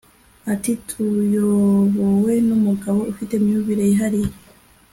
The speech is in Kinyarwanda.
Ati “Tuyobowe n’umugabo ufite imyumvire yihariye